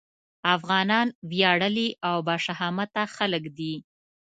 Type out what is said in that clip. افغانان وياړلي او باشهامته خلک دي.